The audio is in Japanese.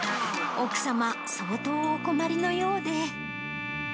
奥様、相当お困りのようで。